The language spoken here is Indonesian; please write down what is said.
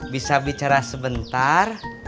bisa bicara sebentar